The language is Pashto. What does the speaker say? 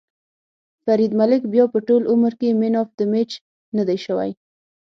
فرید ملک بیا به ټول عمر کې مېن اف ده مېچ ندی شوی.ههه